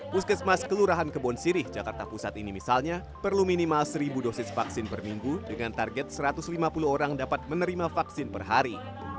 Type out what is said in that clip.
puskesmas kelurahan kebon sirih jakarta pusat ini misalnya perlu minimal seribu dosis vaksin per minggu dengan target satu ratus lima puluh orang dapat menerima vaksin per hari